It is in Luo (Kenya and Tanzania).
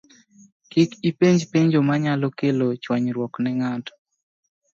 Kik ipenj penjo manyalo kelo chwanyruok ne ng'ato